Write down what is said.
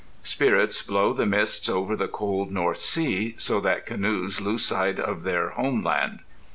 Spirits blow the mists over the cold north sea so that canoes lose sight of their home land.